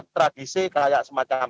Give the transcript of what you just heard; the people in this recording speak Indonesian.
tradisi kayak semacam